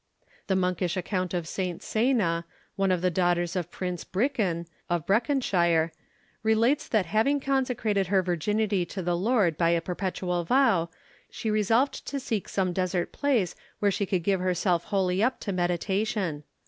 The monkish account of St. Ceyna, one of the daughters of Prince Brychan, of Breconshire, relates that having consecrated her virginity to the Lord by a perpetual vow, she resolved to seek some desert place where she could give herself wholly up to meditation.